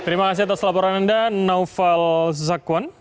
terima kasih atas laporan anda naufal zakwan